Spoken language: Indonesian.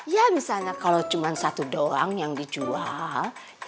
ya misalnya kalau cuma satu doang yang dijual